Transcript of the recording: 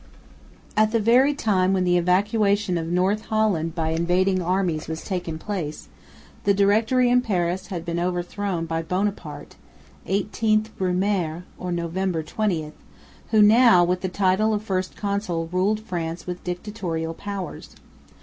At the very time when the evacuation of North Holland by invading armies was taking place, the Directory in Paris had been overthrown by Bonaparte (18 Brumaire, or Nov. 20), who now, with the title of First Consul, ruled France with dictatorial powers.